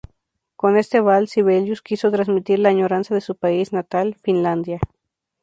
Con este vals, Sibelius quiso transmitir la añoranza de su país natal, Finlandia.